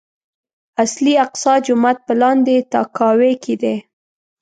اصلي اقصی جومات په لاندې تاكاوۍ کې دی.